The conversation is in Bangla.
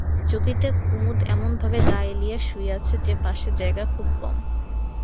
চৌকিতে কুমুদ এমনভাবে গা এলাইয়া শুইয়াছে যে পাশে জায়গা খুব কম।